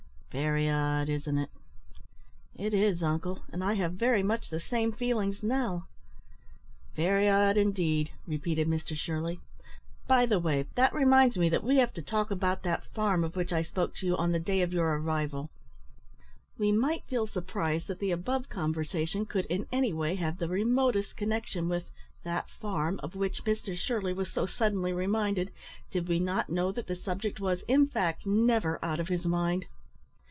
Very odd, isn't it?" "It is, uncle; and I have very much the same feelings now." "Very odd, indeed," repeated Mr Shirley. "By the way, that reminds me that we have to talk about that farm of which I spoke to you on the day of your arrival." We might feel surprised that the above conversation could in any way have the remotest connexion with "that farm" of which Mr Shirley was so suddenly reminded, did we not know that the subject was, in fact, never out of his mind.